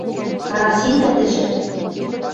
— Карасин вӓтӹжӹ